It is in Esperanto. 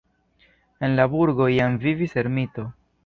En la burgo iam vivis ermito.